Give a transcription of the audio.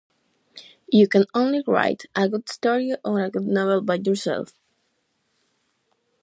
You can only write a good story or a good novel by yourself.